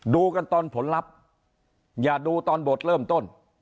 ดูกันตอนผลลัพธ์อย่าดูตอนบทเริ่มต้น